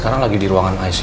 kita langsung ke ac ya